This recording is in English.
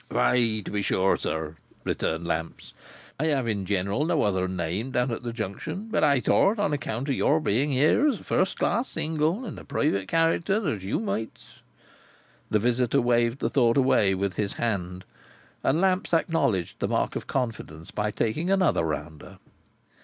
"Why to be sure, sir," returned Lamps. "I have in general no other name down at the Junction; but I thought, on account of your being here as a first class single, in a private character, that you might—" The visitor waved the thought away with his hand, and Lamps acknowledged the mark of confidence by taking another rounder.